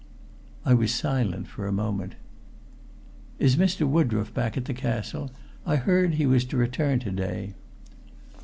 I was silent for a moment. "Is Mr. Woodroffe back at the castle? I heard he was to return to day."